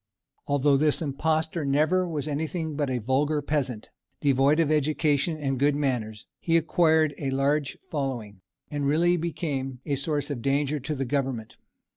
Although this impostor never was anything but a vulgar peasant, devoid of education and good manners, he acquired a large following, and really became a source of danger to the Government.